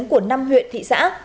của năm huyện thị xã